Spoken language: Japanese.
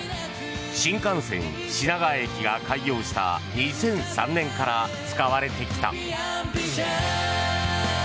新幹線品川駅が開業した２００３年から使われてきた。